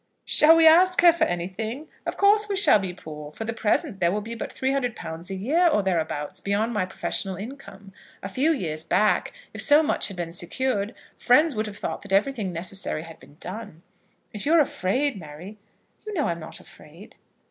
"Shall we ask her for anything? Of course we shall be poor. For the present there will be but £300 a year, or thereabouts, beyond my professional income. A few years back, if so much had been secured, friends would have thought that everything necessary had been done. If you are afraid, Mary " "You know I am not afraid."